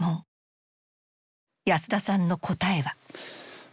安田さんの答えは。